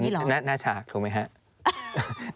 อันนี้คือน่าชากถูกไหมครับ